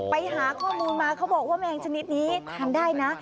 ไปหาข้อมูลมาเขาบอกว่าแมงชนิดนี้ทานได้นะ